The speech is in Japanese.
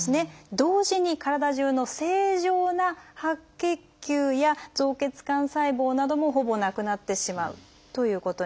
同時に体じゅうの正常な白血球や造血幹細胞などもほぼなくなってしまうということになるんです。